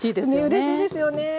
うれしいですよね。